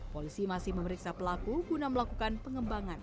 polisi masih memeriksa pelaku guna melakukan pengembangan